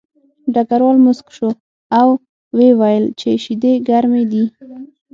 ډګروال موسک شو او ویې ویل چې شیدې ګرمې دي